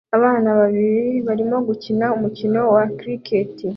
Abana babiri barimo gukina umukino wa Cricket